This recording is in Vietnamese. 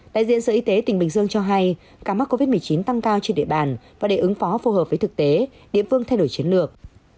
đại diện sở y tế tỉnh bình dương cho hay ca mắc covid một mươi chín tăng cao trên địa bàn và để ứng phó phù hợp với thực tế địa phương thay đổi chiến lược